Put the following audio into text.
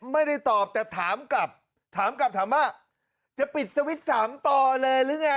ไม่ได้ตอบแต่ถามกลับถามกลับถามว่าจะปิดสวิตช์๓ปอเลยหรือไง